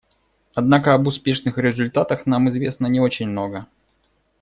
Однако об успешных результатах нам известно не очень много.